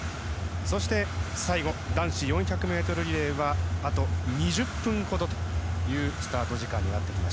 そして最後男子４００ｍリレーはあと２０分ほどというスタート時間です。